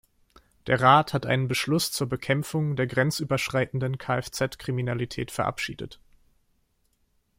Der Rat hat einen Beschluss zur Bekämpfung der grenzüberschreitenden Kfz-Kriminalität verabschiedet.